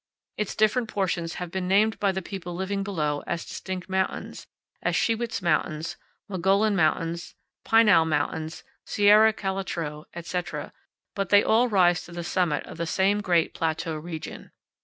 Its different portions have been named by the people living below as distinct mountains, as Shiwits Mountains, Mogollon 28 CANYONS OF THE COLORADO. Mountains, Piñal Mountains, Sierra Calitro, etc., but they all rise to the summit of the same great plateau region.